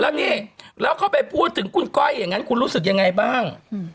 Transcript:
แล้วนี่แล้วเข้าไปพูดถึงคุณก้อยอย่างนั้นคุณรู้สึกยังไงบ้าง